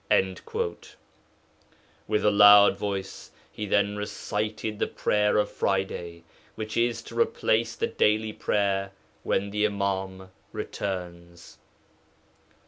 With a loud voice he then recited the prayer of Friday, which is to replace the daily prayer when the Imām appears.